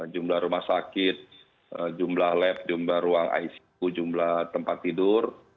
jumlah rumah sakit jumlah lab jumlah ruang icu jumlah tempat tidur